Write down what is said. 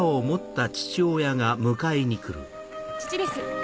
父です。